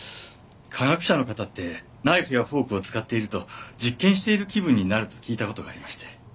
科学者の方ってナイフやフォークを使っていると実験している気分になると聞いた事がありまして。